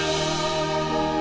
terima kasih pak